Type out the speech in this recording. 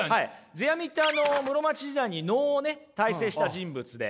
世阿弥って室町時代に能をね大成した人物で。